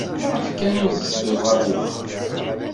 Maɣef kan ur tettedduḍ ɣer wexxam?